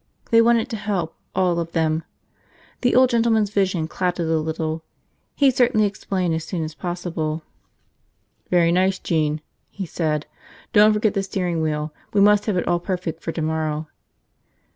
They wanted to help, all of them. The old gentleman's vision clouded a little. He'd certainly explain as soon as possible. "Very nice, Gene," he said. "Don't forget the steering wheel. We must have it all perfect for tomorrow."